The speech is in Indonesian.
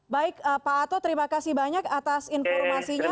baik pak ato terima kasih banyak atas informasinya